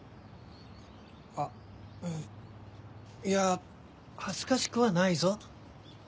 いや恥ずかしくはないぞ。